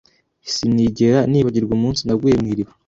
Sinzigera nibagirwa umunsi naguye mu iriba